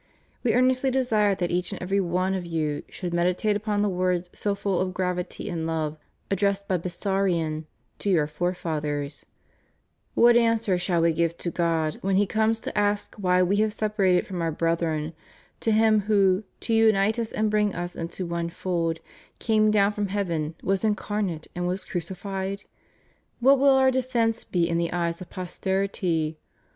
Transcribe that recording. We earnestly desire that each and every one of you should meditate upon the words, so full of gravity and love, addressed by Bessarion to your forefathers: "What answer shall we give to God when He comes to ask why we have separated from our brethren: to Him who, to unite us and bring us into one fold, came down from heaven, was incarnate, and was crucified? What will our defence be in the eyes of posterity?